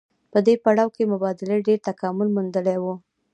په دې پړاو کې مبادلې ډېر تکامل موندلی وو